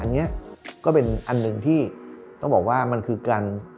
อันนี้ก็เป็นอันหนึ่งที่ต้องบอกว่ามันคือการ